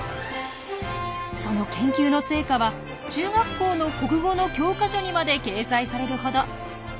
その研究の成果は中学校の国語の教科書にまで掲載されるほど。